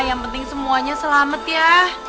yang penting semuanya selamat ya